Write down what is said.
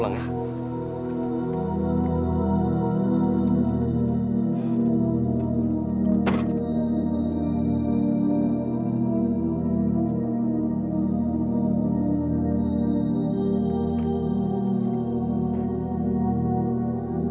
loh ada apa bert